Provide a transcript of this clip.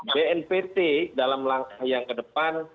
bnpt dalam langkah yang kedepan